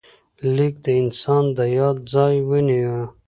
لیک د انسان د یاد ځای ونیو.